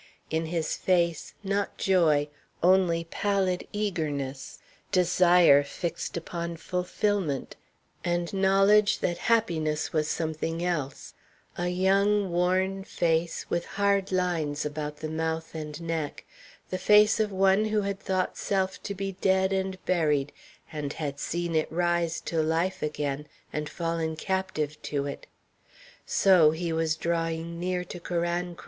In his face, not joy, only pallid eagerness, desire fixed upon fulfilment, and knowledge that happiness was something else; a young, worn face, with hard lines about the mouth and neck; the face of one who had thought self to be dead and buried, and had seen it rise to life again, and fallen captive to it. So he was drawing near to Carancro.